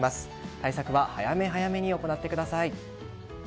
対策は早め早めに行ってください。